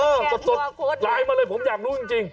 เออก็จดไลน์มาเลยผมอยากรู้จริง